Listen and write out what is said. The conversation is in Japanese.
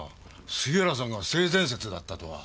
杉浦さんが性善説だったとは。